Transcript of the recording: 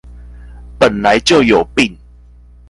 本來就有病